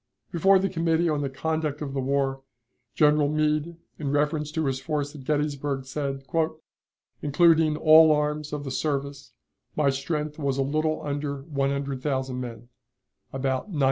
Before the Committee on the Conduct of the War, General Meade, in reference to his force at Gettysburg, said, "Including all arms of the service, my strength was a little under 100,000 men about 95,000."